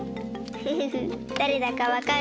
フフフだれだかわかる？